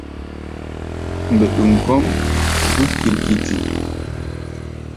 Mbɛɗum kɔ́ʼm dúk kirkiti.